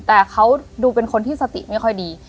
แต่เขาดูเป็นคนที่สติไม่ค่อยดี